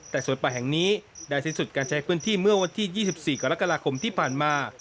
แต่สวนป่าแห่งนี้ได้สิ้นสุดการใช้พื้นที่เมื่อวันที่๒๔กรกฎาคมที่ผ่านมา